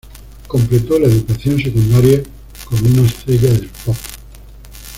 Completó la educación secundaria como una estrella del pop.